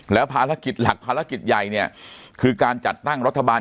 แล้วภารกิจหลักภารกิจใหญ่เนี่ยคือการจัดตั้งรัฐบาล